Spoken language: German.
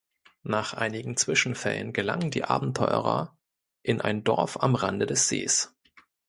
Nach einigen Zwischenfällen gelangen die Abenteurer in ein Dorf am Rande des Sees.